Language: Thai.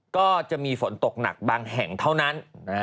ก็จะมีฝนตกหนักบางแห่งเท่านั้น